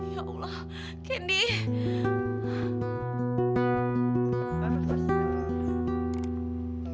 ya allah kendi